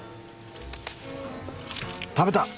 食べた！